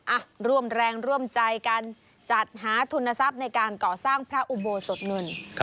อ่ะร่วมแรงร่วมใจกันจัดหาทุนทรัพย์ในการก่อสร้างพระอุโบสถเงิน